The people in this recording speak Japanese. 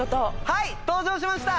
はい登場しました。